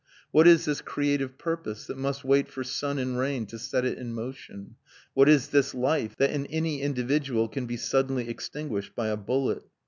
What is this creative purpose, that must wait for sun and rain to set it in motion? What is this life, that in any individual can be suddenly extinguished by a bullet?